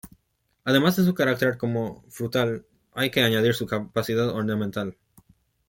Además de su carácter como frutal hay que añadir su capacidad ornamental.